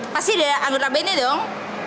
pasti ada anget rabennya dong